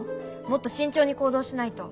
もっと慎重に行動しないと。